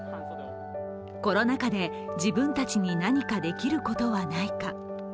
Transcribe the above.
コロナ禍で自分たちに何かできることはないか。